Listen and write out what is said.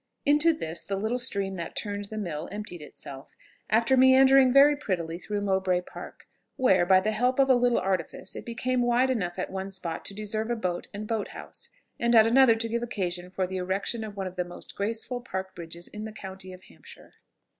Into this, the little stream that turned the mill emptied itself, after meandering very prettily through Mowbray Park, where, by the help of a little artifice, it became wide enough at one spot to deserve a boat and boat house, and at another to give occasion for the erection of one of the most graceful park bridges in the county of Hampshire.